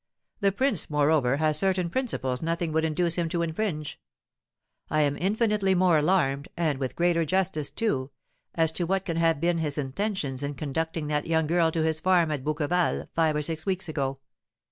The prince, moreover, has certain principles nothing would induce him to infringe. I am infinitely more alarmed, and with greater justice, too, as to what can have been his intentions in conducting that young girl to his farm at Bouqueval, five or six weeks ago.